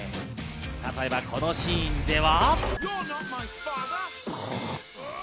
例えば、このシーンでは。